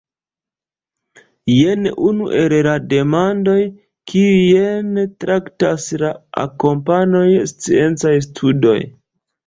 Jen unu el la demandoj, kiujn traktas la akompanaj sciencaj studoj.